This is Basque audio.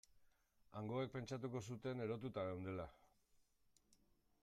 Hangoek pentsatuko zuten erotuta geundela.